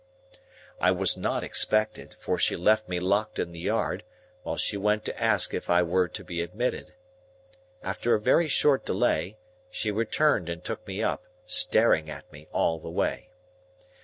I was not expected, for she left me locked in the yard, while she went to ask if I were to be admitted. After a very short delay, she returned and took me up, staring at me all the way.